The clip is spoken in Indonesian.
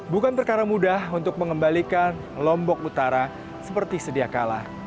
bukan perkara mudah untuk mengembalikan lombok utara seperti sediakala